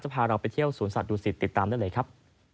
พาเราไปเที่ยวสวนสัตว์ดูสิตติดตามได้เลยครับ